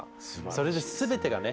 それで全てがね